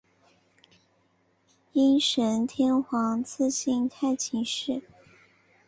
应神天皇赐姓太秦氏。